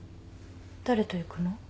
誰と行くの？